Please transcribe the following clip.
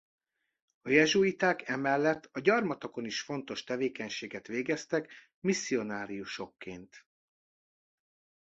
A jezsuiták emellett a gyarmatokon is fontos tevékenységet végeztek misszionáriusokként.